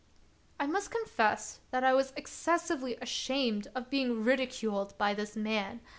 I must confess that I was excessively ashamed of being ridiculed by this man.